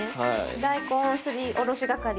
大根すりおろし係。